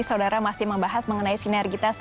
saudara masih membahas mengenai sinergitas